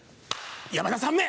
山田さんめ！